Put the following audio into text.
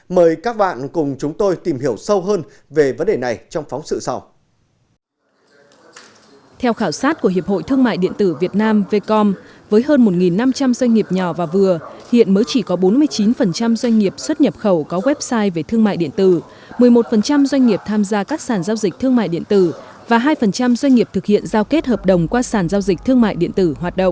mời các bạn cùng chúng tôi tìm hiểu sâu hơn về vấn đề này trong phóng sự sau